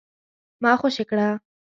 ما خوشي کړه ؟